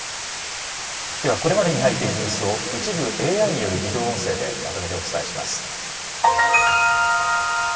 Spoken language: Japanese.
ではこれまでに入っているニュースを、一部ＡＩによる自動音声でまとめてお伝えします。